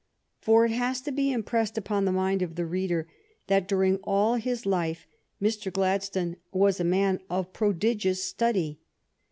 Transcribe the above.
For it has to be impressed upon the mind of the reader that during all his life Mr. Gladstone was a man of prodigious study.